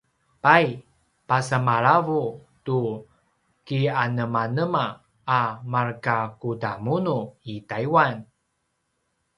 pay pasemalavu tu kianemanema a markakudamunu i taiwan?